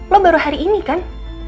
lo baru hari ini kan